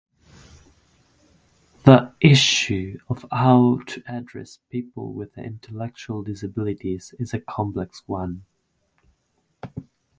The issue of how to address people with intellectual disabilities is a complex one.